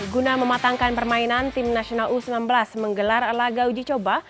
guna mematangkan permainan tim nasional u sembilan belas menggelar laga uji coba